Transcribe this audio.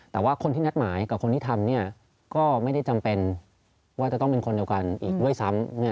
แต่ว่าคนที่นัดหมายกับคนที่ทำก็ไม่ได้จำเป็นว่าจะต้องเป็นคนเดียวกันอีกด้วยซ้ำ